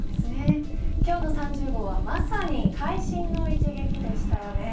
今日の３０号は、まさに会心の一撃でしたよね。